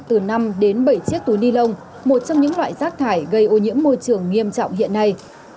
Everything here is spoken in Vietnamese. từ năm đến bảy chiếc túi ni lông một trong những loại rác thải gây ô nhiễm môi trường nghiêm trọng hiện nay